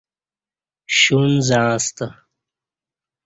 شݩ زعݩستہ